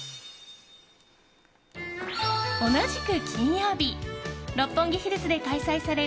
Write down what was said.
同じく金曜日六本木ヒルズで開催される